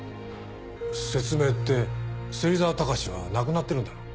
説明って芹沢隆は亡くなってるんだろ？